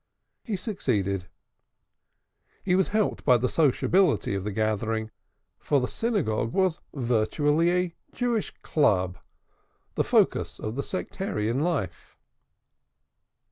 He succeeded. He was helped by the sociability of the gathering for the Synagogue was virtually a Jewish Club, the focus of the sectarian life.